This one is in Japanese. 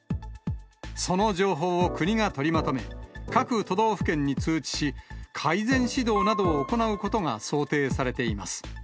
その情報を国が取りまとめ、各都道府県に通知し、改善指導などを行うことが想定されています。